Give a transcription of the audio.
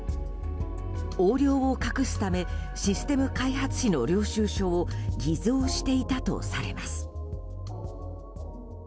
横領を隠すためシステム開発費の領収書を偽造していたとされます。